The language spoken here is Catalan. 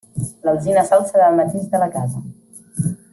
L'alzina s'alça davant mateix de la casa.